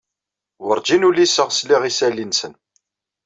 Werǧin uliseɣ sliɣ isali-nsen.